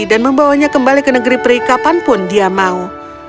dan membawanya kembali ke negeri peri kapanpun dia mau